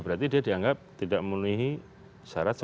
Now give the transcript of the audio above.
berarti dia dianggap tidak memenuhi syarat sepuluh orang